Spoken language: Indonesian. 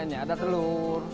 ini ada telur